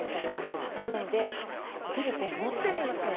早速なので手でこう持ってみましょう。